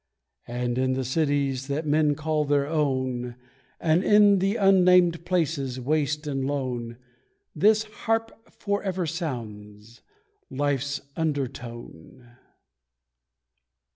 And in the cities that men call their own, And in the unnamed places, waste and lone, This harp forever sounds Life's undertone.